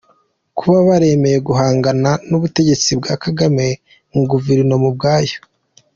Kuba baremeye guhangana n’ubutegetsi bwa Kagame nka Guverinoma ubwabyo